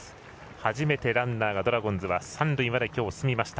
初めてランナーがドラゴンズは三塁まで初めて進みました。